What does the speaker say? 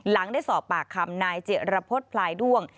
ได้สอบปากคำนายเจรพฤษพลายด้วง